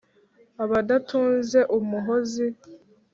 Abadatunze Umuhozi,